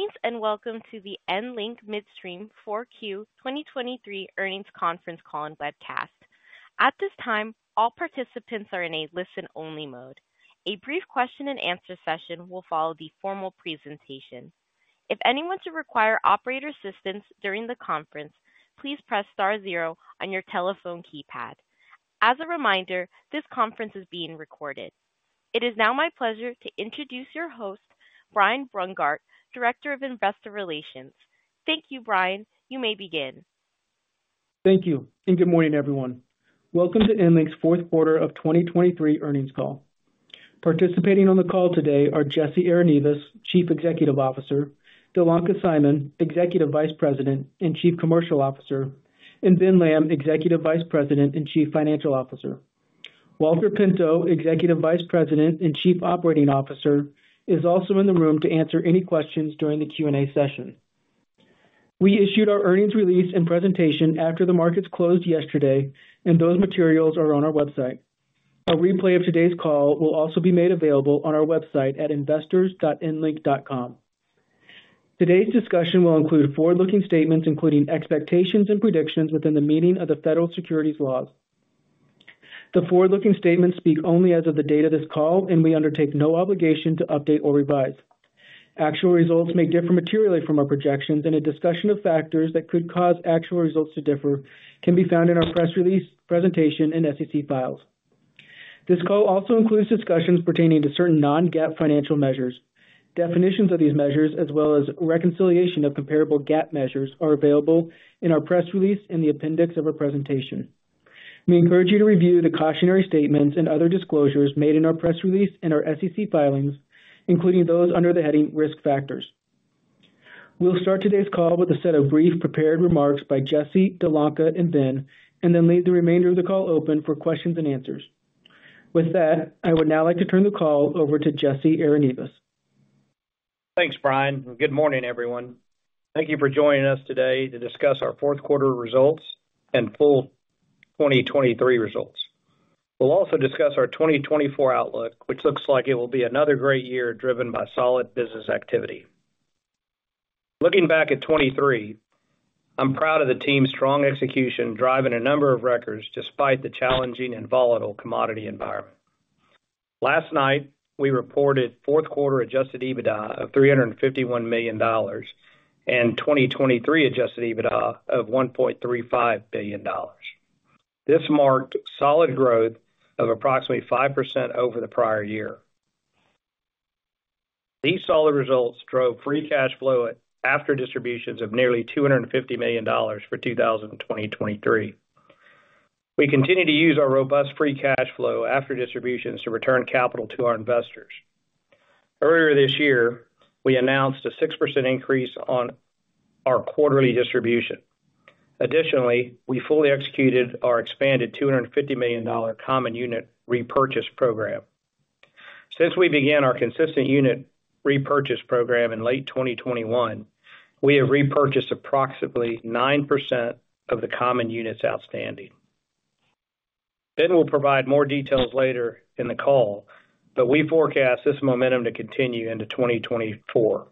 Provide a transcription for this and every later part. Greetings and welcome to the EnLink Midstream 4Q 2023 earnings conference call and webcast. At this time, all participants are in a listen-only mode. A brief question-and-answer session will follow the formal presentation. If anyone should require operator assistance during the conference, please press star zero on your telephone keypad. As a reminder, this conference is being recorded. It is now my pleasure to introduce your host, Brian Brungardt, Director of Investor Relations. Thank you, Brian. You may begin. Thank you. Good morning, everyone. Welcome to EnLink's fourth quarter of 2023 earnings call. Participating on the call today are Jesse Arenivas, Chief Executive Officer; Dilanka Seimon, Executive Vice President and Chief Commercial Officer; and Ben Lamb, Executive Vice President and Chief Financial Officer. Walter Pinto, Executive Vice President and Chief Operating Officer, is also in the room to answer any questions during the Q&A session. We issued our earnings release and presentation after the markets closed yesterday, and those materials are on our website. A replay of today's call will also be made available on our website at investors.enlink.com. Today's discussion will include forward-looking statements, including expectations and predictions within the meaning of the federal securities laws. The forward-looking statements speak only as of the date of this call, and we undertake no obligation to update or revise. Actual results may differ materially from our projections, and a discussion of factors that could cause actual results to differ can be found in our press release presentation and SEC files. This call also includes discussions pertaining to certain non-GAAP financial measures. Definitions of these measures, as well as reconciliation of comparable GAAP measures, are available in our press release and the appendix of our presentation. We encourage you to review the cautionary statements and other disclosures made in our press release and our SEC filings, including those under the heading Risk Factors. We'll start today's call with a set of brief prepared remarks by Jesse, Dilanka, and Ben, and then leave the remainder of the call open for questions and answers. With that, I would now like to turn the call over to Jesse Arenivas. Thanks, Brian. Good morning, everyone. Thank you for joining us today to discuss our fourth quarter results and full 2023 results. We'll also discuss our 2024 outlook, which looks like it will be another great year driven by solid business activity. Looking back at 2023, I'm proud of the team's strong execution driving a number of records despite the challenging and volatile commodity environment. Last night, we reported fourth quarter adjusted EBITDA of $351 million and 2023 adjusted EBITDA of $1.35 billion. This marked solid growth of approximately 5% over the prior year. These solid results drove free cash flow after distributions of nearly $250 million for 2023. We continue to use our robust free cash flow after distributions to return capital to our investors. Earlier this year, we announced a 6% increase on our quarterly distribution. Additionally, we fully executed our expanded $250 million common unit repurchase program. Since we began our consistent unit repurchase program in late 2021, we have repurchased approximately 9% of the common units outstanding. Ben will provide more details later in the call, but we forecast this momentum to continue into 2024.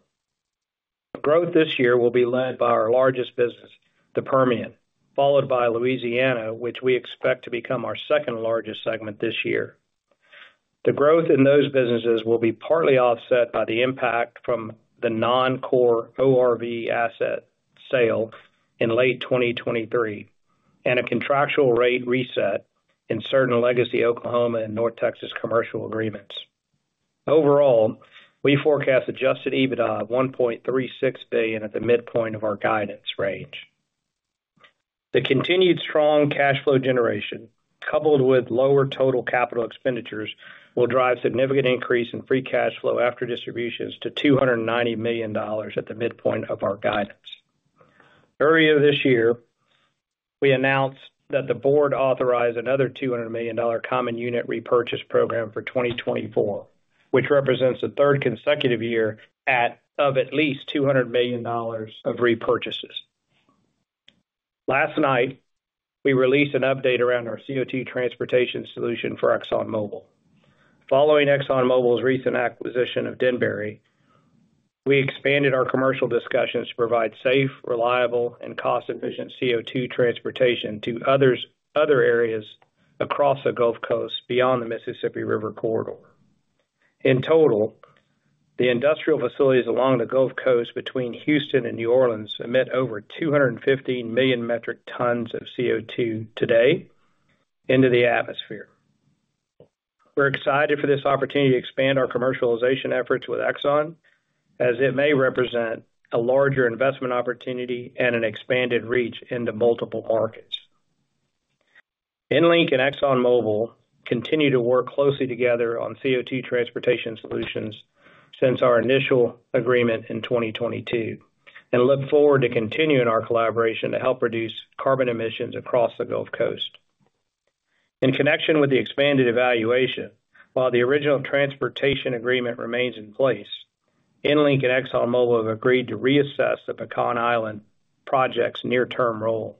Growth this year will be led by our largest business, the Permian, followed by Louisiana, which we expect to become our second largest segment this year. The growth in those businesses will be partly offset by the impact from the non-core ORV asset sale in late 2023 and a contractual rate reset in certain legacy Oklahoma and North Texas commercial agreements. Overall, we forecast adjusted EBITDA of $1.36 billion at the midpoint of our guidance range. The continued strong cash flow generation, coupled with lower total capital expenditures, will drive significant increase in free cash flow after distributions to $290 million at the midpoint of our guidance. Earlier this year, we announced that the board authorized another $200 million common unit repurchase program for 2024, which represents a third consecutive year of at least $200 million of repurchases. Last night, we released an update around our CO2 transportation solution for ExxonMobil. Following ExxonMobil's recent acquisition of Denbury, we expanded our commercial discussions to provide safe, reliable, and cost-efficient CO2 transportation to other areas across the Gulf Coast beyond the Mississippi River corridor. In total, the industrial facilities along the Gulf Coast between Houston and New Orleans emit over 215 million metric tons of CO2 today into the atmosphere. We're excited for this opportunity to expand our commercialization efforts with Exxon, as it may represent a larger investment opportunity and an expanded reach into multiple markets. EnLink and ExxonMobil continue to work closely together on CO2 transportation solutions since our initial agreement in 2022 and look forward to continuing our collaboration to help reduce carbon emissions across the Gulf Coast. In connection with the expanded evaluation, while the original transportation agreement remains in place, EnLink and ExxonMobil have agreed to reassess the Pecan Island project's near-term role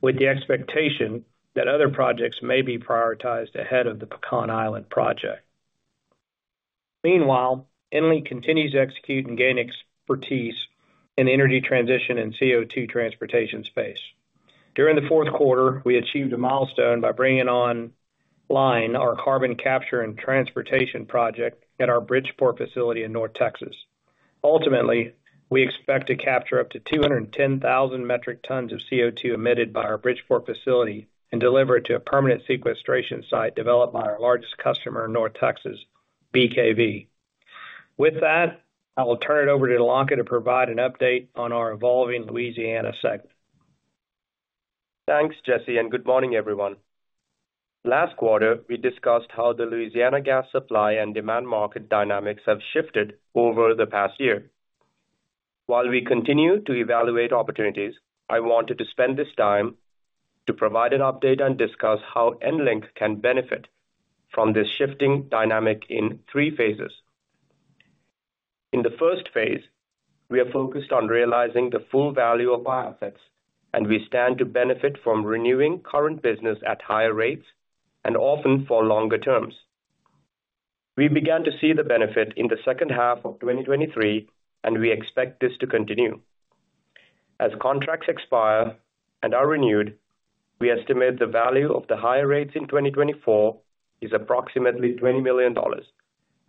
with the expectation that other projects may be prioritized ahead of the Pecan Island project. Meanwhile, EnLink continues to execute and gain expertise in the energy transition and CO2 transportation space. During the fourth quarter, we achieved a milestone by bringing online our carbon capture and transportation project at our Bridgeport facility in North Texas. Ultimately, we expect to capture up to 210,000 metric tons of CO2 emitted by our Bridgeport facility and deliver it to a permanent sequestration site developed by our largest customer, North Texas, BKV. With that, I will turn it over to Dilanka to provide an update on our evolving Louisiana segment. Thanks, Jesse, and good morning, everyone. Last quarter, we discussed how the Louisiana gas supply and demand market dynamics have shifted over the past year. While we continue to evaluate opportunities, I wanted to spend this time to provide an update and discuss how EnLink can benefit from this shifting dynamic in three phases. In the first phase, we are focused on realizing the full value of our assets, and we stand to benefit from renewing current business at higher rates and often for longer terms. We began to see the benefit in the second half of 2023, and we expect this to continue. As contracts expire and are renewed, we estimate the value of the higher rates in 2024 is approximately $20 million,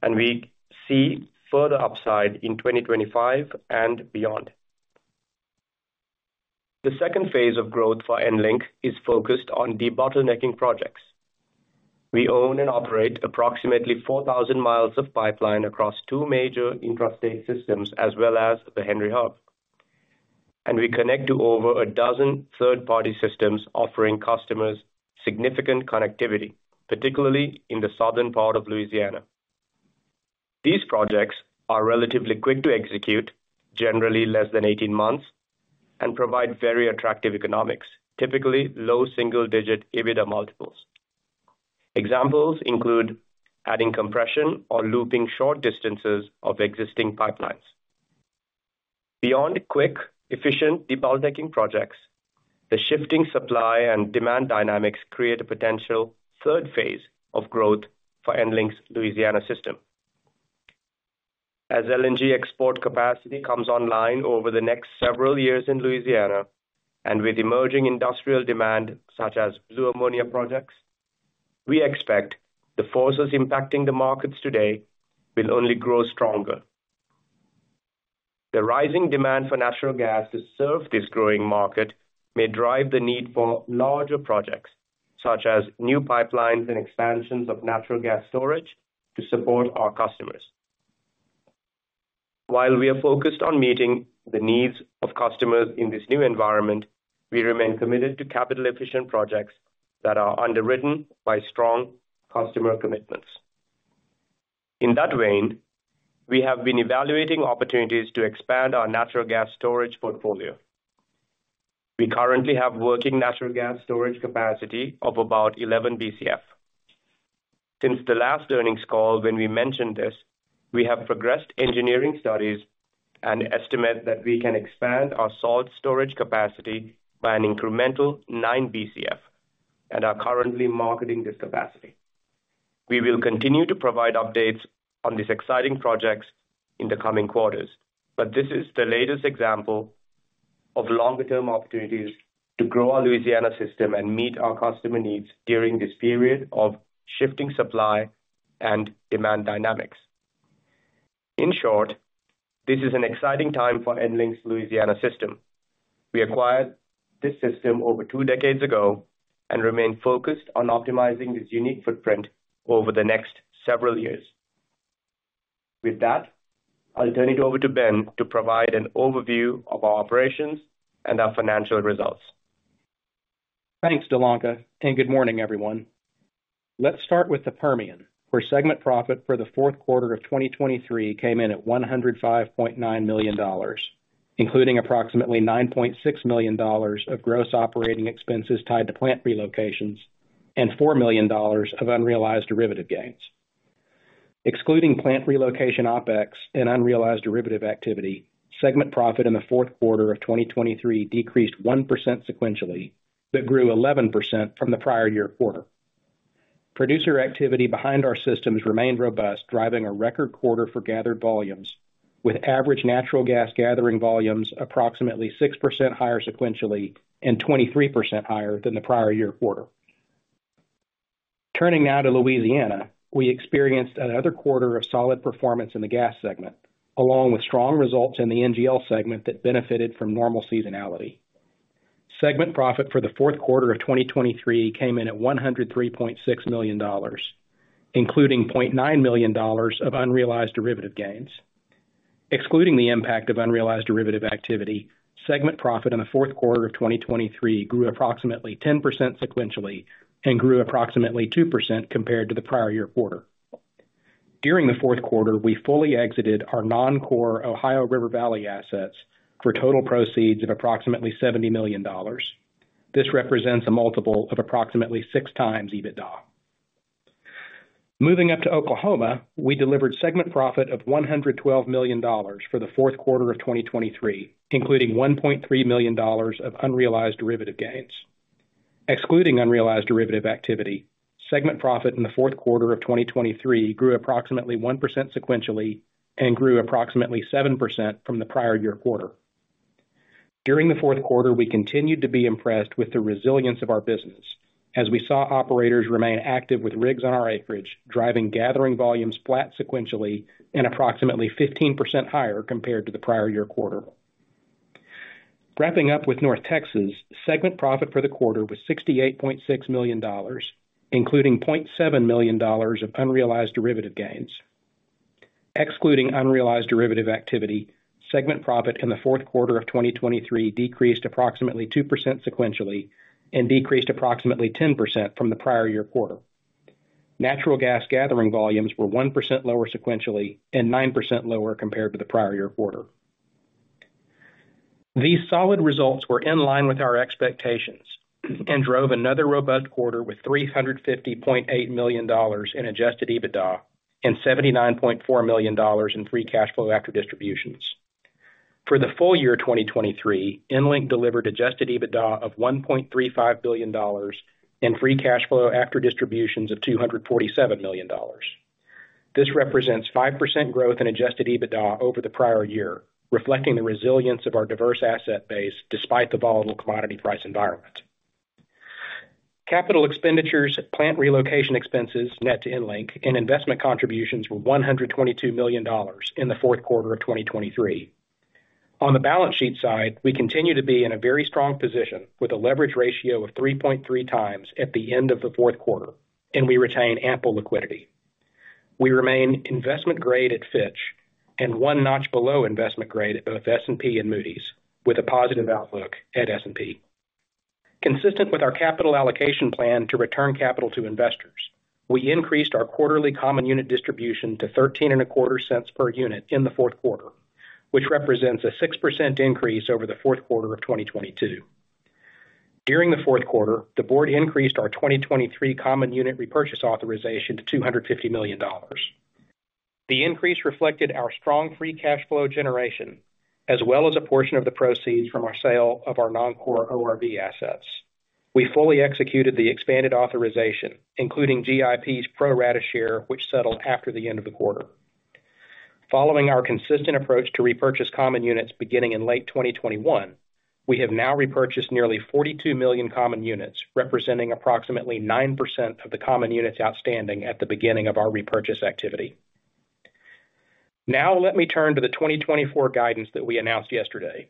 and we see further upside in 2025 and beyond. The second phase of growth for EnLink is focused on debottlenecking projects. We own and operate approximately 4,000 mi of pipeline across two major intrastate systems as well as the Henry Hub, and we connect to over a dozen third-party systems offering customers significant connectivity, particularly in the southern part of Louisiana. These projects are relatively quick to execute, generally less than 18 months, and provide very attractive economics, typically low single-digit EBITDA multiples. Examples include adding compression or looping short distances of existing pipelines. Beyond quick, efficient debottlenecking projects, the shifting supply and demand dynamics create a potential third phase of growth for EnLink's Louisiana system. As LNG export capacity comes online over the next several years in Louisiana and with emerging industrial demand such as blue ammonia projects, we expect the forces impacting the markets today will only grow stronger. The rising demand for natural gas to serve this growing market may drive the need for larger projects such as new pipelines and expansions of natural gas storage to support our customers. While we are focused on meeting the needs of customers in this new environment, we remain committed to capital-efficient projects that are underwritten by strong customer commitments. In that vein, we have been evaluating opportunities to expand our natural gas storage portfolio. We currently have working natural gas storage capacity of about 11 BCF. Since the last earnings call when we mentioned this, we have progressed engineering studies and estimate that we can expand our salt storage capacity by an incremental 9 BCF and are currently marketing this capacity. We will continue to provide updates on these exciting projects in the coming quarters, but this is the latest example of longer-term opportunities to grow our Louisiana system and meet our customer needs during this period of shifting supply and demand dynamics. In short, this is an exciting time for EnLink's Louisiana system. We acquired this system over two decades ago and remain focused on optimizing this unique footprint over the next several years. With that, I'll turn it over to Ben to provide an overview of our operations and our financial results. Thanks, Dilanka, and good morning, everyone. Let's start with the Permian, where segment profit for the fourth quarter of 2023 came in at $105.9 million, including approximately $9.6 million of gross operating expenses tied to plant relocations and $4 million of unrealized derivative gains. Excluding plant relocation OpEx and unrealized derivative activity, segment profit in the fourth quarter of 2023 decreased 1% sequentially but grew 11% from the prior year quarter. Producer activity behind our systems remained robust, driving a record quarter for gathered volumes, with average natural gas gathering volumes approximately 6% higher sequentially and 23% higher than the prior year quarter. Turning now to Louisiana, we experienced another quarter of solid performance in the gas segment, along with strong results in the NGL segment that benefited from normal seasonality. Segment profit for the fourth quarter of 2023 came in at $103.6 million, including $0.9 million of unrealized derivative gains. Excluding the impact of unrealized derivative activity, segment profit in the fourth quarter of 2023 grew approximately 10% sequentially and grew approximately 2% compared to the prior year quarter. During the fourth quarter, we fully exited our non-core Ohio River Valley assets for total proceeds of approximately $70 million. This represents a multiple of approximately 6x EBITDA. Moving up to Oklahoma, we delivered segment profit of $112 million for the fourth quarter of 2023, including $1.3 million of unrealized derivative gains. Excluding unrealized derivative activity, segment profit in the fourth quarter of 2023 grew approximately 1% sequentially and grew approximately 7% from the prior year quarter. During the fourth quarter, we continued to be impressed with the resilience of our business as we saw operators remain active with rigs on our acreage, driving gathering volumes flat sequentially and approximately 15% higher compared to the prior year quarter. Wrapping up with North Texas, segment profit for the quarter was $68.6 million, including $0.7 million of unrealized derivative gains. Excluding unrealized derivative activity, segment profit in the fourth quarter of 2023 decreased approximately 2% sequentially and decreased approximately 10% from the prior year quarter. Natural gas gathering volumes were 1% lower sequentially and 9% lower compared to the prior year quarter. These solid results were in line with our expectations and drove another robust quarter with $350.8 million in adjusted EBITDA and $79.4 million in free cash flow after distributions. For the full year 2023, EnLink delivered adjusted EBITDA of $1.35 billion and free cash flow after distributions of $247 million. This represents 5% growth in adjusted EBITDA over the prior year, reflecting the resilience of our diverse asset base despite the volatile commodity price environment. Capital expenditures, plant relocation expenses net to EnLink, and investment contributions were $122 million in the fourth quarter of 2023. On the balance sheet side, we continue to be in a very strong position with a leverage ratio of 3.3x at the end of the fourth quarter, and we retain ample liquidity. We remain investment-grade at Fitch and one notch below investment-grade at both S&P and Moody's, with a positive outlook at S&P. Consistent with our capital allocation plan to return capital to investors, we increased our quarterly common unit distribution to $0.1325 per unit in the fourth quarter, which represents a 6% increase over the fourth quarter of 2022. During the fourth quarter, the board increased our 2023 common unit repurchase authorization to $250 million. The increase reflected our strong free cash flow generation as well as a portion of the proceeds from our sale of our non-core ORV assets. We fully executed the expanded authorization, including GIP's pro-rata share, which settled after the end of the quarter. Following our consistent approach to repurchase common units beginning in late 2021, we have now repurchased nearly 42 million common units, representing approximately 9% of the common units outstanding at the beginning of our repurchase activity. Now, let me turn to the 2024 guidance that we announced yesterday.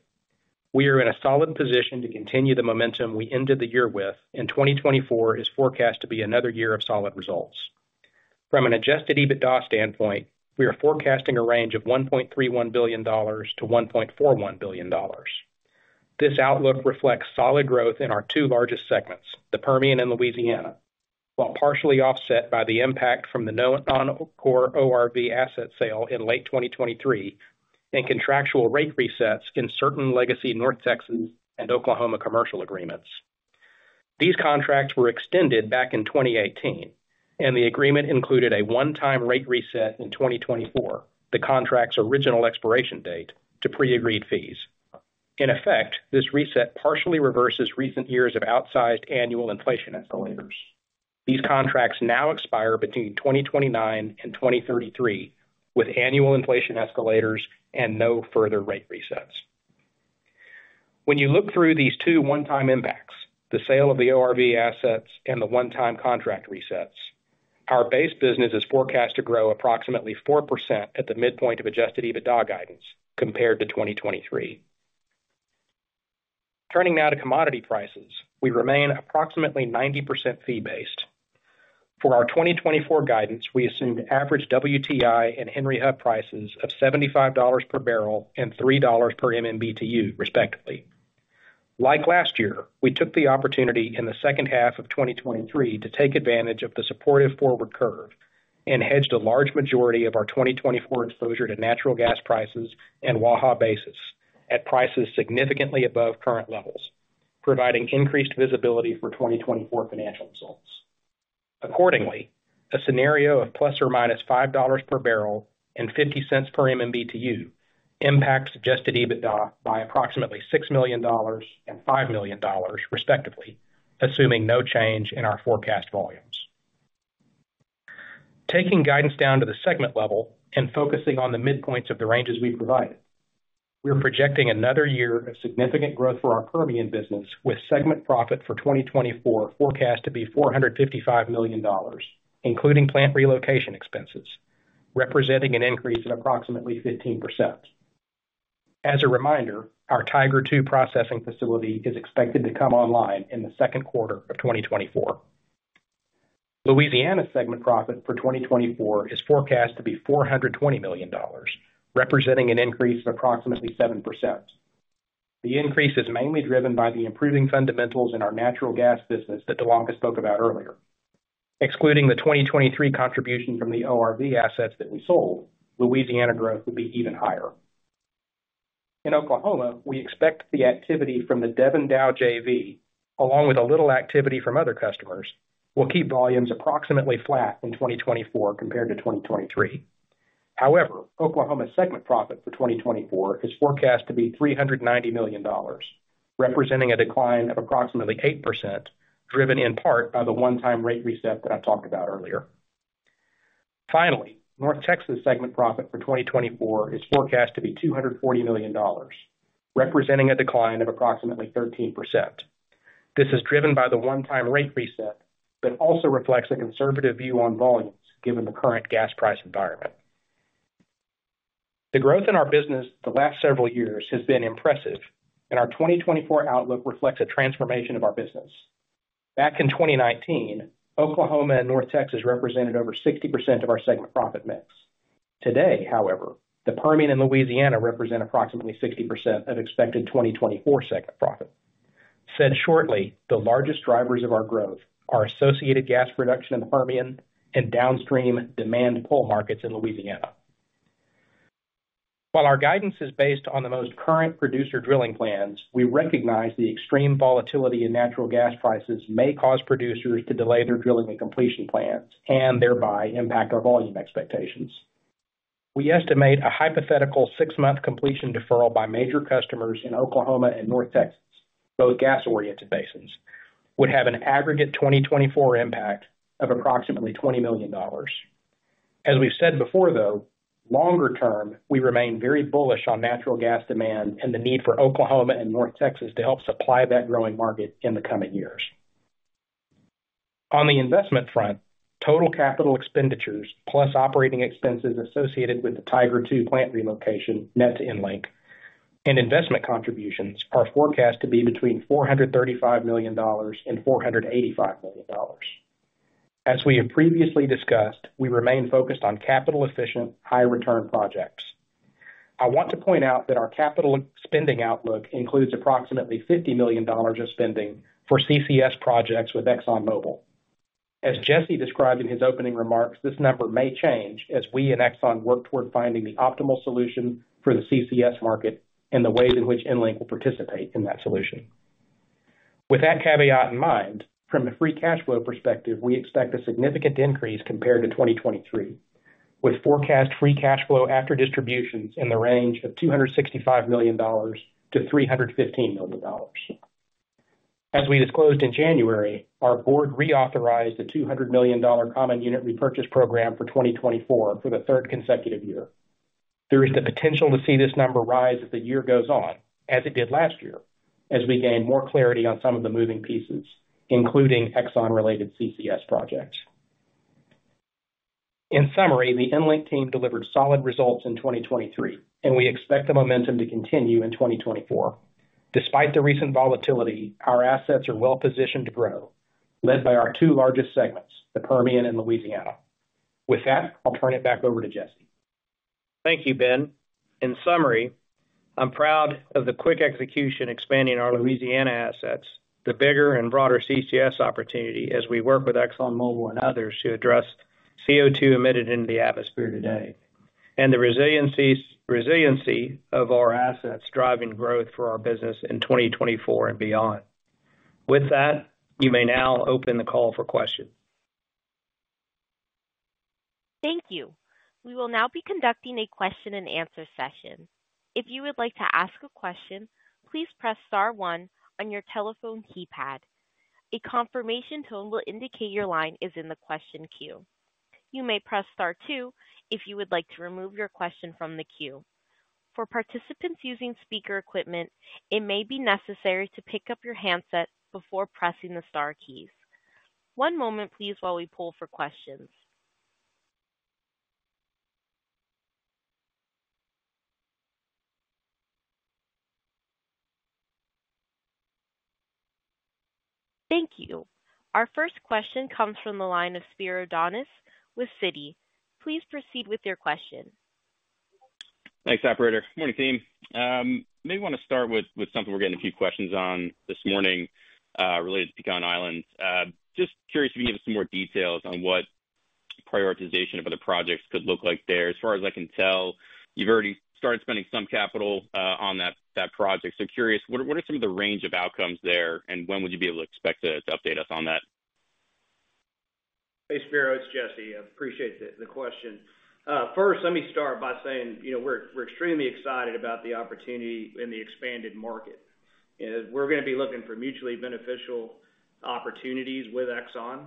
We are in a solid position to continue the momentum we ended the year with, and 2024 is forecast to be another year of solid results. From an adjusted EBITDA standpoint, we are forecasting a range of $1.31 billion-$1.41 billion. This outlook reflects solid growth in our two largest segments, the Permian and Louisiana, while partially offset by the impact from the non-core ORV asset sale in late 2023 and contractual rate resets in certain legacy North Texas and Oklahoma commercial agreements. These contracts were extended back in 2018, and the agreement included a one-time rate reset in 2024, the contract's original expiration date, to pre-agreed fees. In effect, this reset partially reverses recent years of outsized annual inflation escalators. These contracts now expire between 2029 and 2033 with annual inflation escalators and no further rate resets. When you look through these two one-time impacts, the sale of the ORV assets and the one-time contract resets, our base business is forecast to grow approximately 4% at the midpoint of adjusted EBITDA guidance compared to 2023. Turning now to commodity prices, we remain approximately 90% fee-based. For our 2024 guidance, we assumed average WTI and Henry Hub prices of $75 per barrel and $3 per MMBtu, respectively. Like last year, we took the opportunity in the second half of 2023 to take advantage of the supportive forward curve and hedged a large majority of our 2024 exposure to natural gas prices and Waha basis at prices significantly above current levels, providing increased visibility for 2024 financial results. Accordingly, a scenario of ±$5 per barrel and $0.50 per MMBtu impacts adjusted EBITDA by approximately $6 million and $5 million, respectively, assuming no change in our forecast volumes. Taking guidance down to the segment level and focusing on the midpoints of the ranges we provided, we are projecting another year of significant growth for our Permian business with segment profit for 2024 forecast to be $455 million, including plant relocation expenses, representing an increase of approximately 15%. As a reminder, our Tiger II processing facility is expected to come online in the second quarter of 2024. Louisiana segment profit for 2024 is forecast to be $420 million, representing an increase of approximately 7%. The increase is mainly driven by the improving fundamentals in our natural gas business that Dilanka spoke about earlier. Excluding the 2023 contribution from the ORV assets that we sold, Louisiana growth would be even higher. In Oklahoma, we expect the activity from the Devon-Dow JV, along with a little activity from other customers, will keep volumes approximately flat in 2024 compared to 2023. However, Oklahoma segment profit for 2024 is forecast to be $390 million, representing a decline of approximately 8% driven in part by the one-time rate reset that I talked about earlier. Finally, North Texas segment profit for 2024 is forecast to be $240 million, representing a decline of approximately 13%. This is driven by the one-time rate reset but also reflects a conservative view on volumes given the current gas price environment. The growth in our business the last several years has been impressive, and our 2024 outlook reflects a transformation of our business. Back in 2019, Oklahoma and North Texas represented over 60% of our segment profit mix. Today, however, the Permian and Louisiana represent approximately 60% of expected 2024 segment profit. Said shortly, the largest drivers of our growth are associated gas production in the Permian and downstream demand pull markets in Louisiana. While our guidance is based on the most current producer drilling plans, we recognize the extreme volatility in natural gas prices may cause producers to delay their drilling and completion plans and thereby impact our volume expectations. We estimate a hypothetical six-month completion deferral by major customers in Oklahoma and North Texas, both gas-oriented basins, would have an aggregate 2024 impact of approximately $20 million. As we've said before, though, longer term, we remain very bullish on natural gas demand and the need for Oklahoma and North Texas to help supply that growing market in the coming years. On the investment front, total capital expenditures plus operating expenses associated with the Tiger II plant relocation net to EnLink and investment contributions are forecast to be between $435 million-$485 million. As we have previously discussed, we remain focused on capital-efficient, high-return projects. I want to point out that our capital spending outlook includes approximately $50 million of spending for CCS projects with ExxonMobil. As Jesse described in his opening remarks, this number may change as we and Exxon work toward finding the optimal solution for the CCS market and the ways in which EnLink will participate in that solution. With that caveat in mind, from a free cash flow perspective, we expect a significant increase compared to 2023, with forecast free cash flow after distributions in the range of $265 million-$315 million. As we disclosed in January, our board reauthorized the $200 million common unit repurchase program for 2024 for the third consecutive year. There is the potential to see this number rise as the year goes on, as it did last year, as we gain more clarity on some of the moving pieces, including Exxon-related CCS projects. In summary, the EnLink team delivered solid results in 2023, and we expect the momentum to continue in 2024. Despite the recent volatility, our assets are well-positioned to grow, led by our two largest segments, the Permian and Louisiana. With that, I'll turn it back over to Jesse. Thank you, Ben. In summary, I'm proud of the quick execution expanding our Louisiana assets, the bigger and broader CCS opportunity as we work with ExxonMobil and others to address CO2 emitted into the atmosphere today, and the resiliency of our assets driving growth for our business in 2024 and beyond. With that, you may now open the call for questions. Thank you. We will now be conducting a question-and-answer session. If you would like to ask a question, please press star one on your telephone keypad. A confirmation tone will indicate your line is in the question queue. You may press star two if you would like to remove your question from the queue. For participants using speaker equipment, it may be necessary to pick up your handset before pressing the star keys. One moment, please, while we pull for questions. Thank you. Our first question comes from the line of Spiro Dounis with Citi. Please proceed with your question. Thanks, operator. Morning, team. Maybe I want to start with something we're getting a few questions on this morning related to Pecan Island. Just curious if you can give us some more details on what prioritization of other projects could look like there. As far as I can tell, you've already started spending some capital on that project. So curious, what are some of the range of outcomes there, and when would you be able to expect to update us on that? Hey, Spiro. It's Jesse. I appreciate the question. First, let me start by saying we're extremely excited about the opportunity in the expanded market. We're going to be looking for mutually beneficial opportunities with Exxon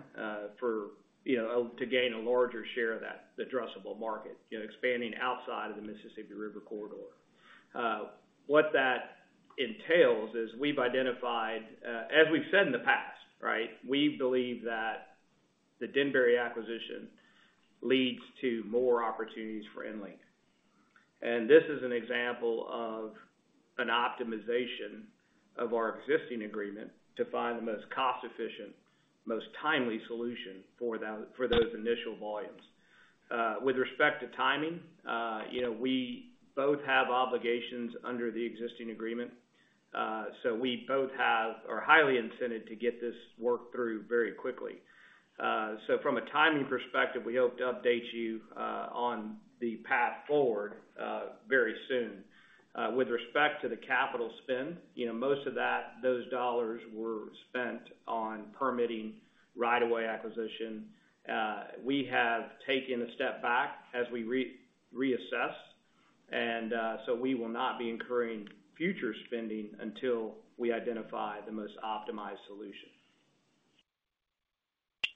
to gain a larger share of that addressable market, expanding outside of the Mississippi River corridor. What that entails is we've identified, as we've said in the past, right, we believe that the Denbury acquisition leads to more opportunities for EnLink. And this is an example of an optimization of our existing agreement to find the most cost-efficient, most timely solution for those initial volumes. With respect to timing, we both have obligations under the existing agreement, so we both are highly incented to get this work through very quickly. So from a timing perspective, we hope to update you on the path forward very soon. With respect to the capital spend, most of those dollars were spent on permitting right-of-way acquisition. We have taken a step back as we reassess, and so we will not be incurring future spending until we identify the most optimized solution.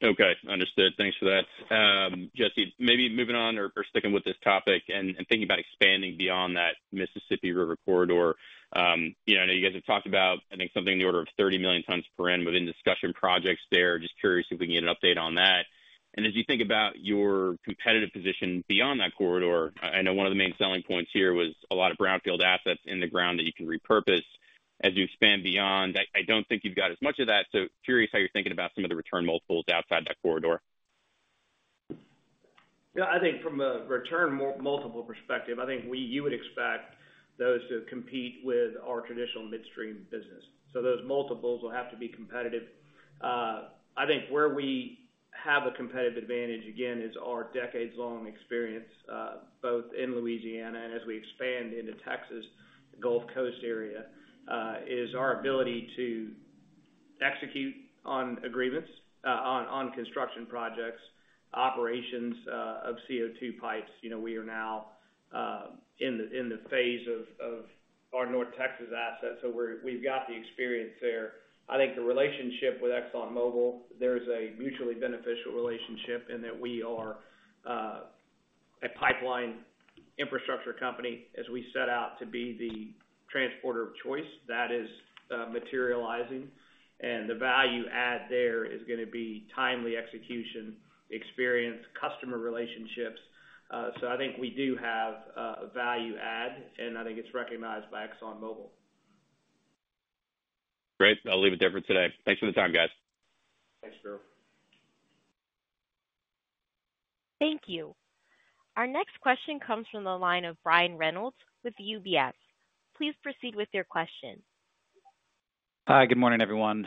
Okay. Understood. Thanks for that. Jesse, maybe moving on or sticking with this topic and thinking about expanding beyond that Mississippi River corridor. I know you guys have talked about, I think, something in the order of 30 million tonnes per annum within discussion projects there. Just curious if we can get an update on that. And as you think about your competitive position beyond that corridor, I know one of the main selling points here was a lot of brownfield assets in the ground that you can repurpose. As you expand beyond, I don't think you've got as much of that. So curious how you're thinking about some of the return multiples outside that corridor. Yeah. I think from a return multiple perspective, I think you would expect those to compete with our traditional midstream business. So those multiples will have to be competitive. I think where we have a competitive advantage, again, is our decades-long experience both in Louisiana and as we expand into Texas, the Gulf Coast area, is our ability to execute on agreements, on construction projects, operations of CO2 pipes. We are now in the phase of our North Texas assets, so we've got the experience there. I think the relationship with ExxonMobil, there's a mutually beneficial relationship in that we are a pipeline infrastructure company as we set out to be the transporter of choice. That is materializing. The value add there is going to be timely execution, experience, customer relationships. I think we do have a value add, and I think it's recognized by ExxonMobil. Great. I'll leave it there for today. Thanks for the time, guys. Thanks, Spiro. Thank you. Our next question comes from the line of Brian Reynolds with UBS. Please proceed with your question. Hi. Good morning, everyone.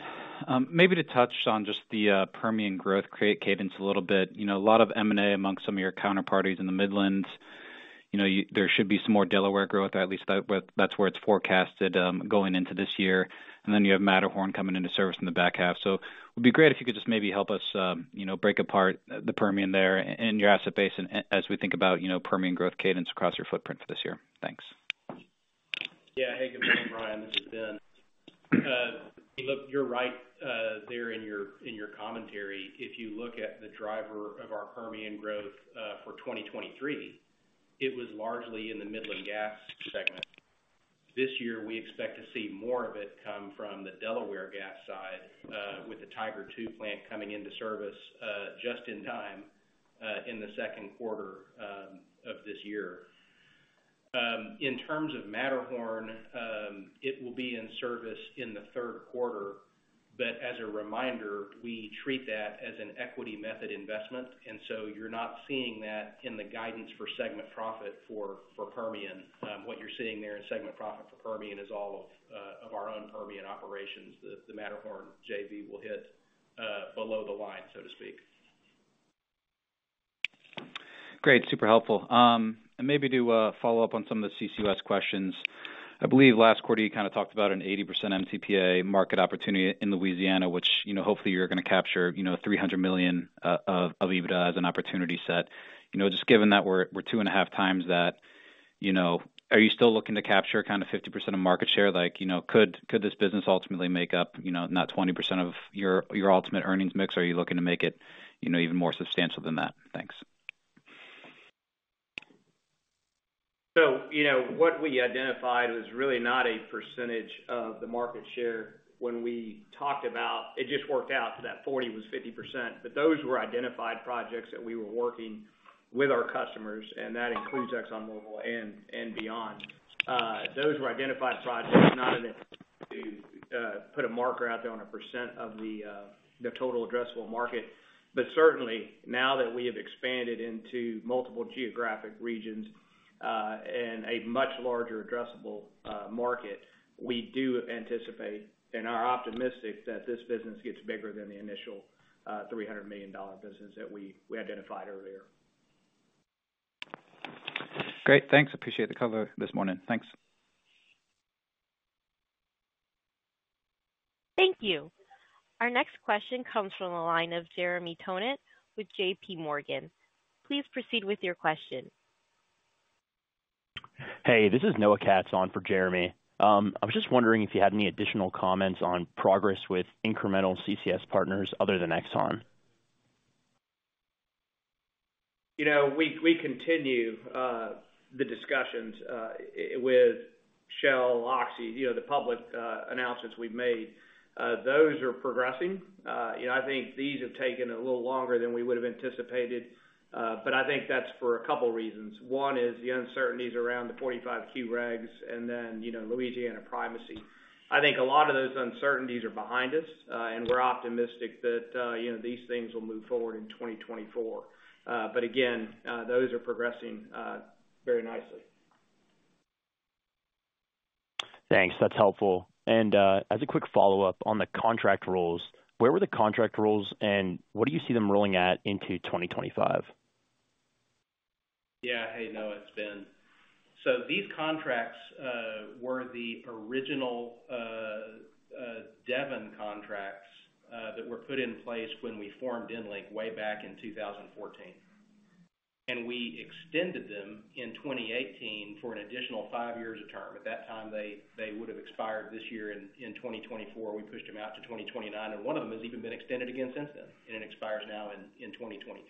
Maybe to touch on just the Permian growth, growth cadence a little bit. A lot of M&A among some of your counterparties in the Midland. There should be some more Delaware growth, at least that's where it's forecasted going into this year. And then you have Matterhorn coming into service in the back half. So it would be great if you could just maybe help us break apart the Permian there and your asset base as we think about Permian growth cadence across your footprint for this year. Thanks. Yeah. Hey, good morning, Brian. This is Ben. You're right there in your commentary. If you look at the driver of our Permian growth for 2023, it was largely in the Midland gas segment. This year, we expect to see more of it come from the Delaware gas side with the Tiger II plant coming into service just in time in the second quarter of this year. In terms of Matterhorn, it will be in service in the third quarter. But as a reminder, we treat that as an equity method investment, and so you're not seeing that in the guidance for segment profit for Permian. What you're seeing there in segment profit for Permian is all of our own Permian operations. The Matterhorn JV will hit below the line, so to speak. Great. Super helpful. And maybe do a follow-up on some of the CCS questions. I believe last quarter, you kind of talked about an 80% MTPA market opportunity in Louisiana, which hopefully you're going to capture $300 million of EBITDA as an opportunity set. Just given that we're 2.5x that, are you still looking to capture kind of 50% of market share? Could this business ultimately make up not 20% of your ultimate earnings mix? Are you looking to make it even more substantial than that? Thanks. So what we identified was really not a percentage of the market share when we talked about it just worked out that 40% was 50%. But those were identified projects that we were working with our customers, and that includes ExxonMobil and beyond. Those were identified projects, not in a to put a marker out there on a percent of the total addressable market. But certainly, now that we have expanded into multiple geographic regions and a much larger addressable market, we do anticipate and are optimistic that this business gets bigger than the initial $300 million business that we identified earlier. Great. Thanks. Appreciate the coverage this morning. Thanks. Thank you. Our next question comes from the line of Jeremy Tonet with JPMorgan. Please proceed with your question. Hey, this is Noah Katz on for Jeremy. I was just wondering if you had any additional comments on progress with incremental CCS partners other than Exxon. We continue the discussions with Shell, Oxy, the public announcements we've made. Those are progressing. I think these have taken a little longer than we would have anticipated, but I think that's for a couple of reasons. One is the uncertainties around the 45Q regs and then Louisiana primacy. I think a lot of those uncertainties are behind us, and we're optimistic that these things will move forward in 2024. But again, those are progressing very nicely. Thanks. That's helpful. As a quick follow-up on the contract rolls where were the contract rolls, and what do you see them rolling at into 2025? Yeah. Hey, Noah. It's Ben. So these contracts were the original Devon contracts that were put in place when we formed EnLink way back in 2014. And we extended them in 2018 for an additional five years of term. At that time, they would have expired this year in 2024. We pushed them out to 2029, and one of them has even been extended again since then, and it expires now in 2023.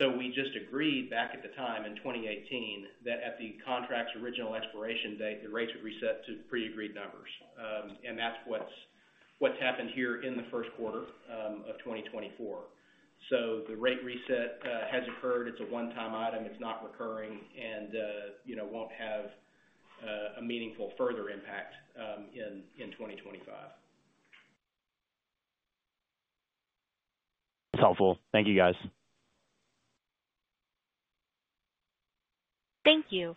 So we just agreed back at the time in 2018 that at the contract's original expiration date, the rates would reset to pre-agreed numbers. And that's what's happened here in the first quarter of 2024. So the rate reset has occurred. It's a one-time item. It's not recurring and won't have a meaningful further impact in 2025. That's helpful. Thank you, guys. Thank you.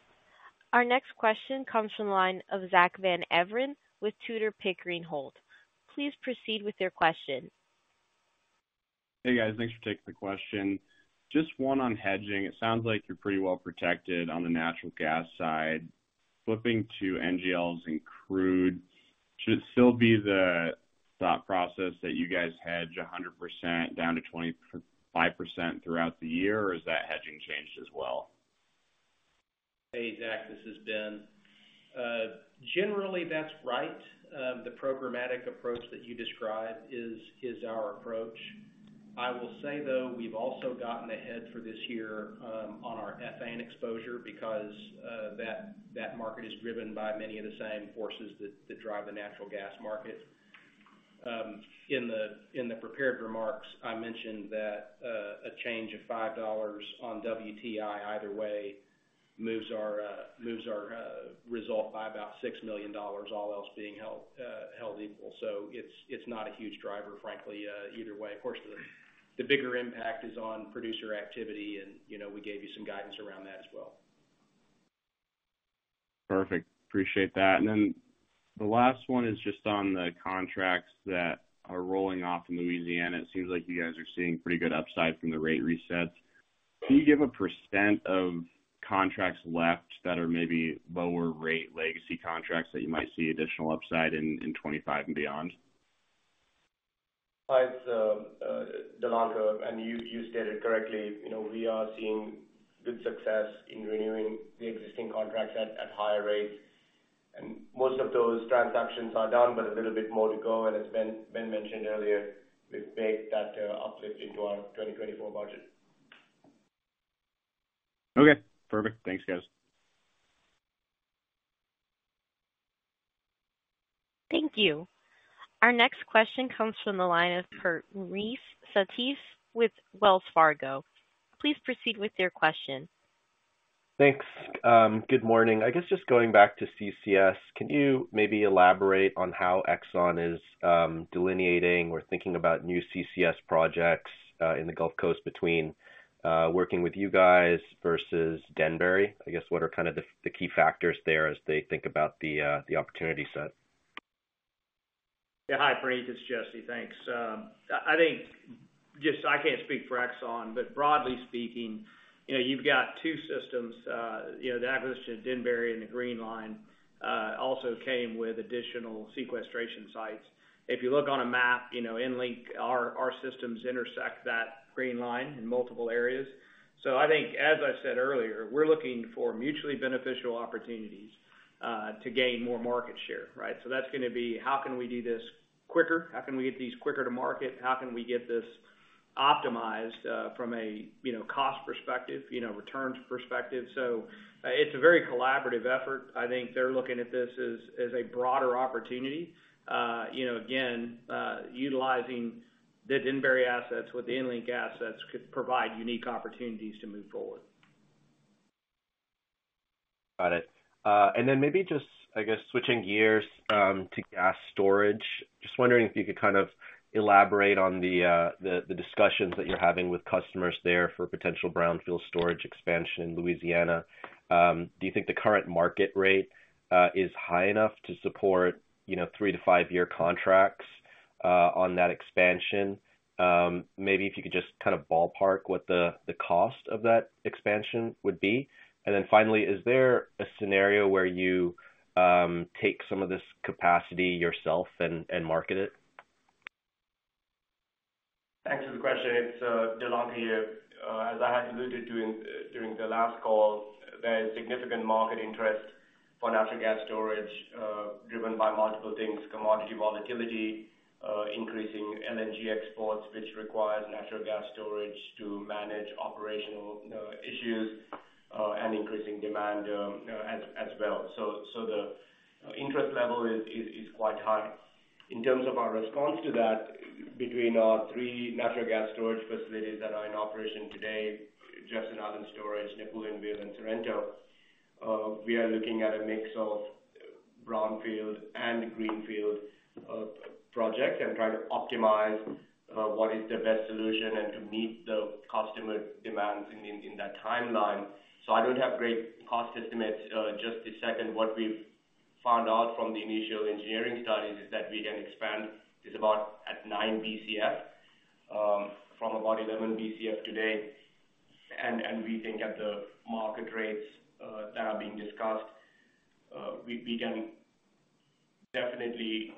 Our next question comes from the line of Zack Van Everen with Tudor, Pickering, Holt. Please proceed with your question. Hey, guys. Thanks for taking the question. Just one on hedging. It sounds like you're pretty well protected on the natural gas side. Flipping to NGLs and crude, should it still be the thought process that you guys hedge 100% down to 25% throughout the year, or has that hedging changed as well? Hey, Zack. This is Ben. Generally, that's right. The programmatic approach that you describe is our approach. I will say, though, we've also gotten ahead for this year on our ethane exposure because that market is driven by many of the same forces that drive the natural gas market. In the prepared remarks, I mentioned that a change of $5 on WTI either way moves our result by about $6 million, all else being held equal. So it's not a huge driver, frankly, either way. Of course, the bigger impact is on producer activity, and we gave you some guidance around that as well. Perfect. Appreciate that. And then the last one is just on the contracts that are rolling off in Louisiana. It seems like you guys are seeing pretty good upside from the rate resets. Can you give a percent of contracts left that are maybe lower rate legacy contracts that you might see additional upside in 2025 and beyond? It's Dilanka, and you stated correctly, we are seeing good success in renewing the existing contracts at higher rates. And most of those transactions are done, but a little bit more to go. As Ben mentioned earlier, we've baked that uplift into our 2024 budget. Okay. Perfect. Thanks, guys. Thank you. Our next question comes from the line of Praneeth Satish with Wells Fargo. Please proceed with your question. Thanks. Good morning. I guess just going back to CCS, can you maybe elaborate on how Exxon is delineating or thinking about new CCS projects in the Gulf Coast between working with you guys versus Denbury? I guess what are kind of the key factors there as they think about the opportunity set? Yeah. Hi, Praneeth. It's Jesse. Thanks. I think just I can't speak for Exxon, but broadly speaking, you've got two systems. The acquisition of Denbury and the Green Line also came with additional sequestration sites. If you look on a map, EnLink, our systems intersect that Green Line in multiple areas. So I think, as I said earlier, we're looking for mutually beneficial opportunities to gain more market share, right? So that's going to be, how can we do this quicker? How can we get these quicker to market? How can we get this optimized from a cost perspective, returns perspective? So it's a very collaborative effort. I think they're looking at this as a broader opportunity. Again, utilizing the Denbury assets with the EnLink assets could provide unique opportunities to move forward. Got it. And then maybe just, I guess, switching gears to gas storage, just wondering if you could kind of elaborate on the discussions that you're having with customers there for potential brownfield storage expansion in Louisiana. Do you think the current market rate is high enough to support three to five-year contracts on that expansion? Maybe if you could just kind of ballpark what the cost of that expansion would be. And then finally, is there a scenario where you take some of this capacity yourself and market it? Thanks for the question. It's Dilanka here. As I had alluded to during the last call, there is significant market interest for natural gas storage driven by multiple things, commodity volatility, increasing LNG exports, which requires natural gas storage to manage operational issues, and increasing demand as well. So the interest level is quite high. In terms of our response to that, between our three natural gas storage facilities that are in operation today, Jefferson Island Storage, Napoleonville, and Sorrento, we are looking at a mix of brownfield and greenfield projects and trying to optimize what is the best solution and to meet the customer demands in that timeline. So I don't have great cost estimates. Just a second, what we've found out from the initial engineering studies is that we can expand this about at 9 BCF from about 11 BCF today. And we think at the market rates that are being discussed, we can definitely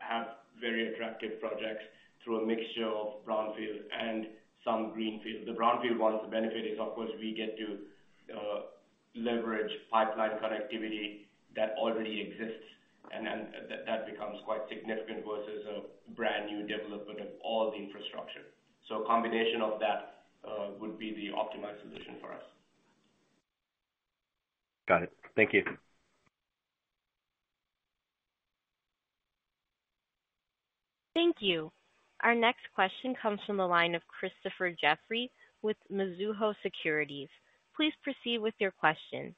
have very attractive projects through a mixture of brownfield and some greenfield. The brownfield one, the benefit is, of course, we get to leverage pipeline connectivity that already exists, and that becomes quite significant versus a brand new development of all the infrastructure. So a combination of that would be the optimized solution for us. Got it. Thank you. Thank you. Our next question comes from the line of Christopher Jeffrey with Mizuho Securities. Please proceed with your question.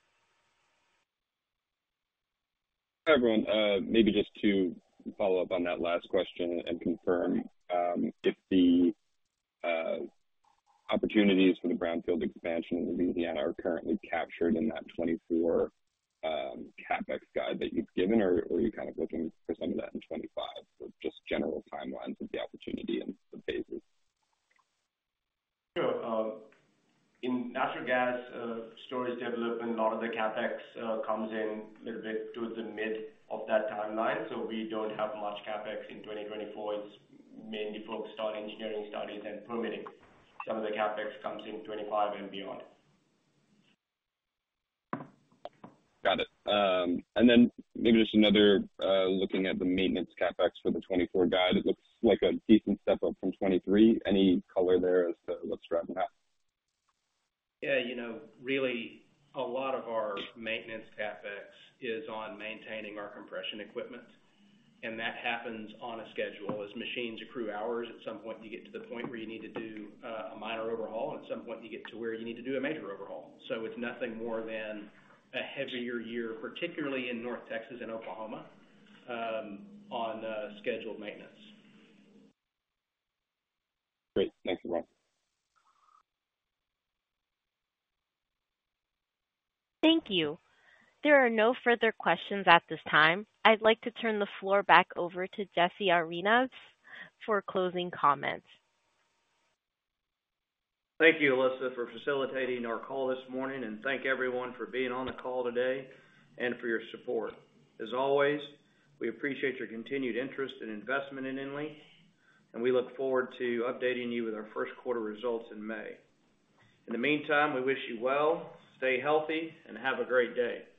Hi, everyone. Maybe just to follow up on that last question and confirm if the opportunities for the brownfield expansion in Louisiana are currently captured in that 2024 CapEx guide that you've given, or are you kind of looking for some of that in 2025 for just general timelines of the opportunity and the phases? Sure. In natural gas storage development, a lot of the CapEx comes in a little bit towards the mid of that timeline. So we don't have much CapEx in 2024. It's mainly focused on engineering studies and permitting. Some of the CapEx comes in 2025 and beyond. Got it. And then maybe just another looking at the maintenance CapEx for the 2024 guide. It looks like a decent step up from 2023. Any color there as to what's driving that? Yeah. Really, a lot of our maintenance CapEx is on maintaining our compression equipment. That happens on a schedule. As machines accrue hours, at some point, you get to the point where you need to do a minor overhaul, and at some point, you get to where you need to do a major overhaul. It's nothing more than a heavier year, particularly in North Texas and Oklahoma, on scheduled maintenance. Great. Thanks, everyone. Thank you. There are no further questions at this time. I'd like to turn the floor back over to Jesse Arenivas for closing comments. Thank you, Alyssa, for facilitating our call this morning, and thank everyone for being on the call today and for your support. As always, we appreciate your continued interest and investment in EnLink, and we look forward to updating you with our first quarter results in May. In the meantime, we wish you well, stay healthy, and have a great day.